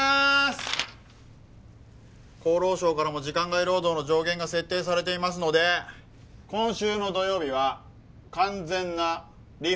厚労省からも時間外労働の上限が設定されていますので今週の土曜日は完全なリフレッシュ休暇日とします。